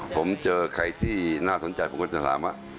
ผมเจอใครที่น่าสนใจผมก็จะถามว่า